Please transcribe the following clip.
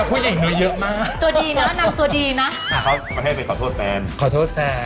ผู้หญิงได้อีกแล้ว